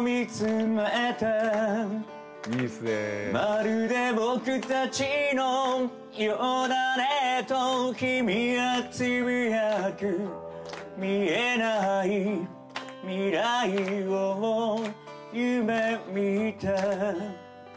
「まるで僕たちのようだねと君がつぶやく」「見えない未来を夢見て」